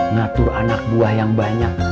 ngatur anak buah yang banyak